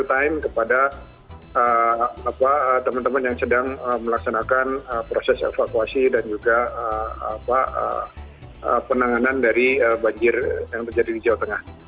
time kepada teman teman yang sedang melaksanakan proses evakuasi dan juga penanganan dari banjir yang terjadi di jawa tengah